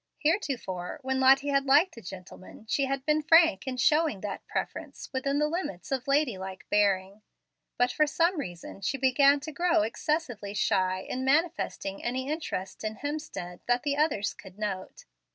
Heretofore, when Lottie had liked a gentleman, she had been frank in showing that preference within the limits of lady like bearing. But, for some reason, she began to grow excessively shy in manifesting any interest in Hemstead that the others could note.